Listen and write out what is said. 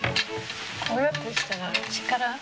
こうやってしたら力。